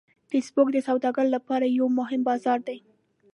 فېسبوک د سوداګرو لپاره یو مهم بازار دی